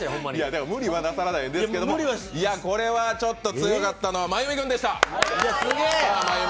だから無理はなさらないで、ですけどこれはちょっと強かったのは真弓君でした。